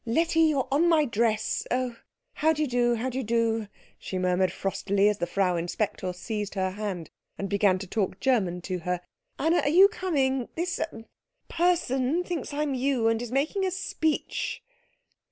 "Letty, you are on my dress oh, how d'you do how d'you do," she murmured frostily, as the Frau Inspector seized her hand and began to talk German to her. "Anna, are you coming? This er person thinks I'm you, and is making me a speech."